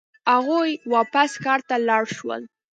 هغوی واپس ښار ته لاړ شول.